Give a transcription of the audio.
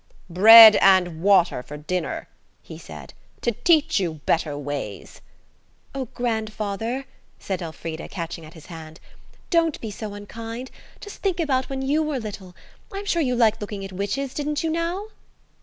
"Bread and water for dinner," he said, "to teach you better ways." "Oh, grandfather," said Elfrida, catching at his hand, "don't be so unkind! Just think about when you were little. I'm sure you liked looking at witches, didn't you, now?"